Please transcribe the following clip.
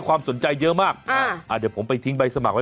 เขาพิจารณาเรื่องสัตว์